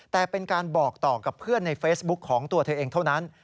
แต่เป็นการบอกต่อกับเพื่อนในเฟซบุ๊คของตัวเธอเองเท่านั้น